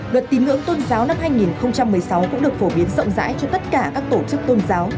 luật tín ngưỡng tôn giáo năm hai nghìn một mươi sáu cũng được phổ biến rộng rãi cho tất cả các tổ chức tôn giáo